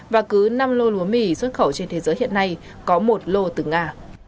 và cứ năm lô lúa mì xuất khẩu trên thế giới hiện nay có một lô từ nga